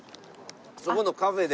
そこのカフェで。